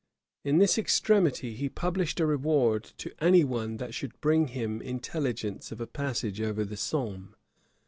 In this extremity, he published a reward to any one that should bring him intelligence of a passage over the Somme.